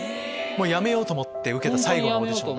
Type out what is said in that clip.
やめようと思って受けた最後のオーディションで。